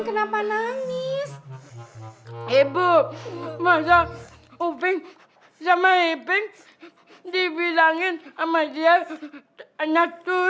kenapa nangis ibu masa open sama ipin diberi langit amat ya anak tuyul